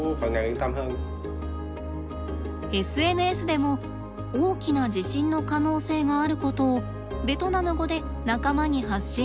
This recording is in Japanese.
ＳＮＳでも大きな地震の可能性があることをベトナム語で仲間に発信。